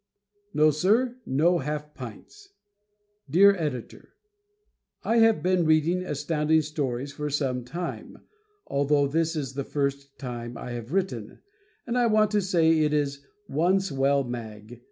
Nossir No "Half Pints" Dear Editor: I have been reading Astounding Stories for some time, although this is the first time I have written, and I want to say it is one swell mag.